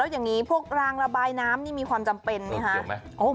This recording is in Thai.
อย่างนี้พวกรางระบายน้ำนี่มีความจำเป็นไหมคะ